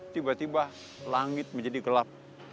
tiba tiba langit menjadi gelap